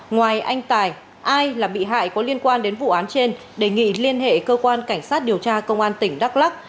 ngoài anh tài ai là bị hại có liên quan đến vụ án trên đề nghị liên hệ cơ quan cảnh sát điều tra công an tỉnh đắk lắc